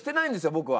僕は。